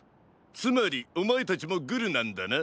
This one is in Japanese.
つまりおまえたちもグルなんだな。